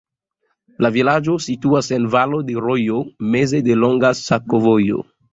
La vilaĝo situas en valo de rojo, meze de longa sakovojo.